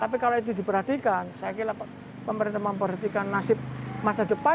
tapi kalau itu diperhatikan saya kira pemerintah memperhatikan nasib mereka untuk ke depan